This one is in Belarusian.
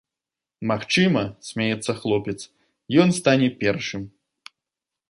Магчыма, смяецца хлопец, ён стане першым.